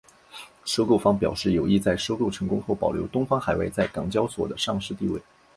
收购方表示有意在收购成功后保留东方海外在港交所的上市地位。